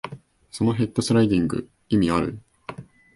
そのヘッドスライディング、意味ある？